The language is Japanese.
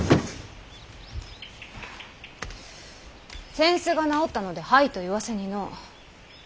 扇子が直ったので「はい」と言わせにの。